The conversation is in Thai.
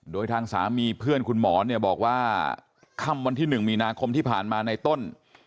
โดยทางสามีเพื่อนคุณหมอเนี่ยบอกว่าค่ำวันที่๑มีนาคมที่ผ่านมาในต้น